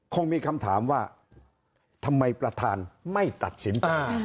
คงมีคำถามว่าทำไมประธานไม่ตัดสินใจ